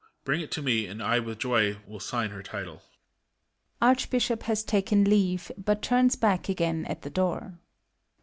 Bring it to me, and I with joy will sign her title I ARCHBISHOP (has taken leave, but turns hack again at the door)